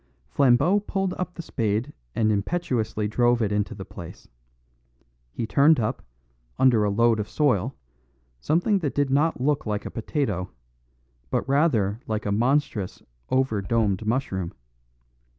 Flambeau pulled up the spade and impetuously drove it into the place. He turned up, under a load of soil, something that did not look like a potato, but rather like a monstrous, over domed mushroom.